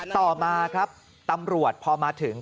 ต่อมาครับตำรวจพอมาถึง